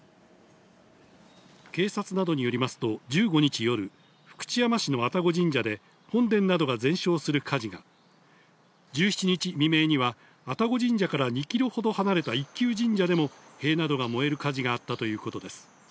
警察などによりますと、１５日夜、福知山市の愛宕神社で本殿などが全焼する火事が、１７日未明には愛宕神社から２キロほど離れた一宮神社でも塀などが燃える火事があったということです。